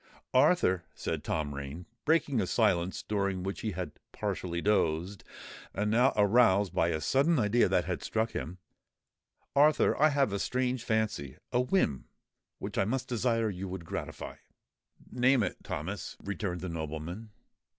"Arthur," said Tom Rain, breaking a silence during which he had partially dozed, and now aroused by a sudden idea that had struck him,—"Arthur, I have a strange fancy—a whim, which I much desire you would gratify——" "Name it, Thomas," returned the nobleman.